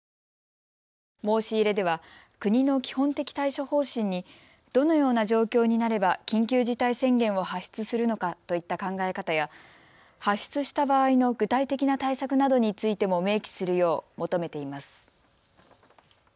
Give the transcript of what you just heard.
申し入れでは国の基本的対処方針にどのような状況になれば緊急事態宣言を発出するのかといった考え方や発出した場合の具体的な対策などについても明記するよう求めています。